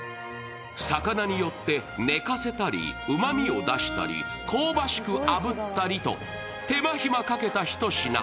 魚によって寝かせたり、うまみを出したり、香ばしくあぶったりと、手間隙かけたひと品。